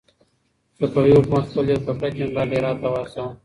صفوي حکومت خپل يو تکړه جنرال هرات ته واستاوه.